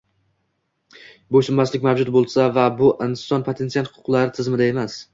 bo‘ysunmaslik mavjud bo‘lgan va inson potensial huquqlari tizimda emas